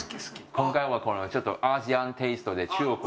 今回はこのちょっとアジアンテイストで中国を。